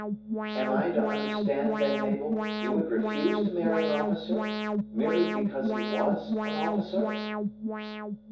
"Am I to understand, then, Mabel, you would refuse to marry an officer, merely because he was an officer?"